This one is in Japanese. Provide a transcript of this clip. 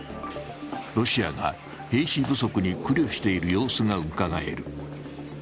ロシアが兵士不足に苦慮している様子がうかがえる。